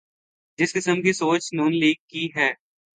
جس قسم کی سوچ ن لیگ کی ہے۔